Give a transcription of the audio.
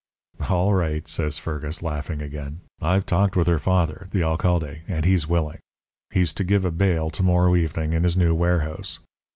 "'All right,' says Fergus, laughing again. 'I've talked with her father, the alcalde, and he's willing. He's to give a baile to morrow evening in his new warehouse.